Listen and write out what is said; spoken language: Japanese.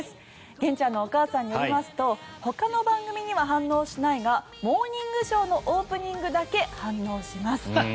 玄ちゃんのお母さんによりますとほかの番組には反応しないが「モーニングショー」のオープニングだけ反応します。